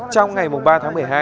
trong ngày ba tháng một mươi hai